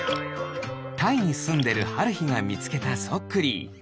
タイにすんでるはるひがみつけたそっクリー。